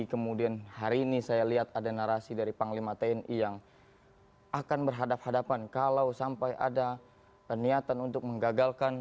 kemudian hari ini saya lihat ada narasi dari panglima tni yang akan berhadapan hadapan kalau sampai ada niatan untuk menggagalkan